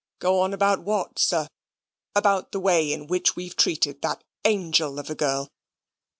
"Go on about what, sir? about the way in which we've treated that angel of a girl?